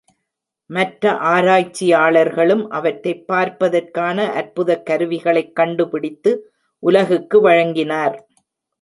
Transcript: மற்ற ஆராய்ச்சியாளர்களும் அவற்றைப் பார்ப்பதற்கான அற்புதக் கருவிகளைக் கண்டுபிடித்து உலகுக்கு வழங்கினார்.